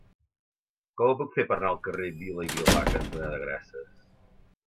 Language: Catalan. Com ho puc fer per anar al carrer Vila i Vilà cantonada Grases?